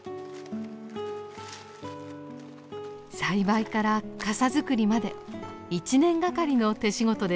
栽培から笠作りまで一年がかりの手仕事です。